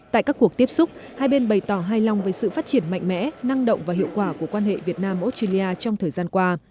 tại các cuộc tiếp xúc hai bên bày tỏ hài lòng với sự phát triển mạnh mẽ năng động và hiệu quả của quan hệ việt nam australia trong thời gian qua